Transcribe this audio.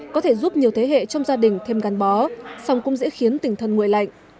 có thể giúp nhiều thế hệ trong gia đình thêm gắn bó xong cũng dễ khiến tỉnh thần nguội lạnh